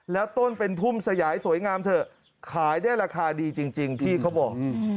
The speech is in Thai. แล้วต้นเป็นพุ่มสยายสวยงามเถอะขายได้ราคาดีจริงพี่เขาบอก